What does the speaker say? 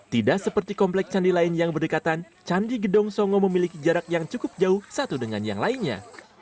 tidak seperti komplek candi lain yang berdekatan candi gedong songo memiliki jarak yang cukup jauh satu dengan yang lainnya